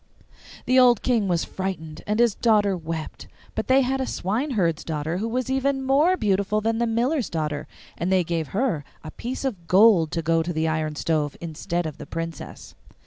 The old King was frightened, and his daughter wept. But they had a swineherd's daughter who was even more beautiful than the miller's daughter, and they gave her a piece of gold to go to the iron stove instead of the Princess.